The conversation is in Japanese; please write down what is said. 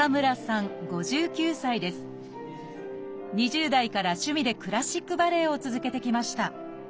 ２０代から趣味でクラシックバレエを続けてきました。